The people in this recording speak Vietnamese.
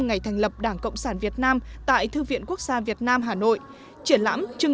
ngày thành lập đảng cộng sản việt nam tại thư viện quốc gia việt nam hà nội triển lãm trưng